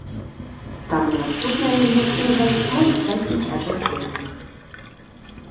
Таму наступнай яе кнігай можа стаць дзіцячы зборнік.